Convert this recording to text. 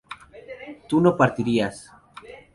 tú no partirías